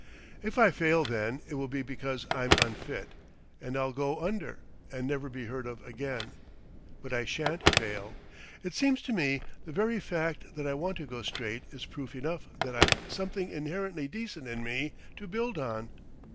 "If I fail, then, it will be because I'm unfit and I'll go under, and never be heard of again.... But I shan't fail. It seems to me the very fact that I want to go straight is proof enough that I've something inherently decent in me to build on."